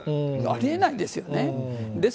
あり得ないですよね。